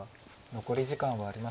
残り時間はありません。